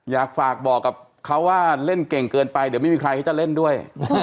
อยากฝากบอกกับเขาว่าเล่นเก่งเกินไปเดี๋ยวไม่มีใครเขาจะเล่นด้วย